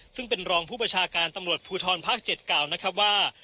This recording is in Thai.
ซึ่งเป็นรองผู้ประชาการตำรวจภูทรภาค๗กล่าวนะครับว่า